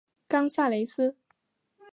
冈萨雷斯。